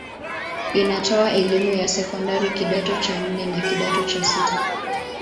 Inatoa elimu ya sekondari kidato cha nne na kidato cha sita.